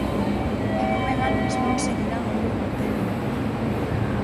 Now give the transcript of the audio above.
E Rubén Albes non seguirá no Lugo, Terio.